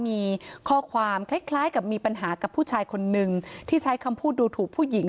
มีข้อความคล้ายคล้ายกับมีปัญหากับผู้ชายคนนึงที่ใช้คำพูดดูถูกผู้หญิง